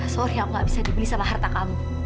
sorry aku nggak bisa dibeli sama harta kamu